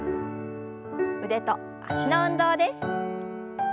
腕と脚の運動です。